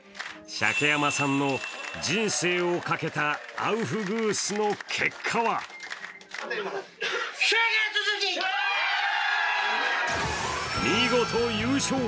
鮭山さんの人生をかけたアウフグースの結果は見事、優勝！